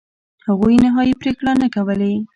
هغوی نهایي پرېکړې نه کولې.